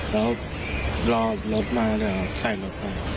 แล้วรอรถมาเดี๋ยวใส่รถไป